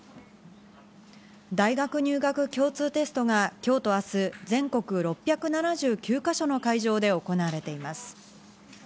大学入学共通テストが今日と明日、全国６７９か所の会場で行われています。